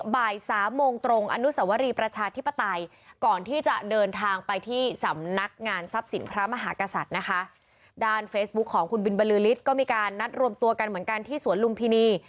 บ่ายสามโมงตรงอนุสวรีประชาธิปไตยก่อนที่จะเดินทางไปที่สำนักงานทรัพย์สินพระมหากษัตริย์นะคะด้านเฟซบุ๊คของคุณบินบรือฤทธิ์ก็มีการนัดรวมตัวกันเหมือนกันที่สวนลุมพินี